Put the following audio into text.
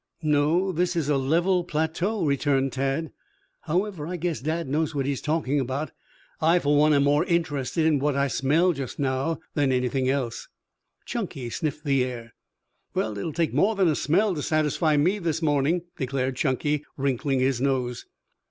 "No, this is a level plateau," returned Tad. "However, I guess Dad knows what he is talking about. I for one am more interested in what I smell just now than anything else." Chunky sniffed the air. "Well, it will take more than a smell to satisfy me this morning," declared Chunky, wrinkling his nose.